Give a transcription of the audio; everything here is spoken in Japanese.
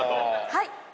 ◆はい。